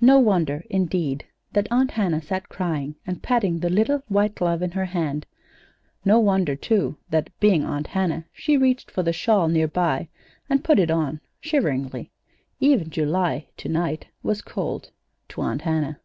No wonder, indeed, that Aunt Hannah sat crying and patting the little white glove in her hand. No wonder, too, that being Aunt Hannah she reached for the shawl near by and put it on, shiveringly. Even July, to night, was cold to Aunt Hannah.